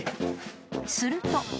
［すると］